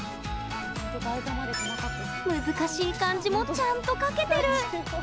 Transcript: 難しい漢字もちゃんと書けてる！